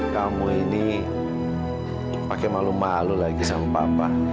kamu ini pakai malu malu lagi sama papa